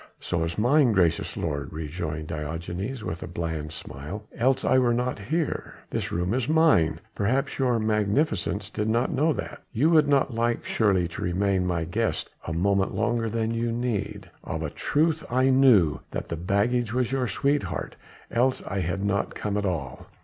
"So is mine, gracious lord," rejoined Diogenes with a bland smile, "else I were not here. This room is mine perhaps your Magnificence did not know that you would not like surely to remain my guest a moment longer than you need." "Of a truth I knew that the baggage was your sweetheart else I had not come at all."